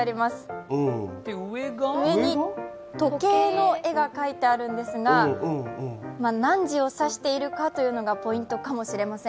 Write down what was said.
上に時計の絵が描いてあるんですが、何時を指しているかというのがポイントかもしれません。